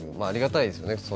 ありがたいですね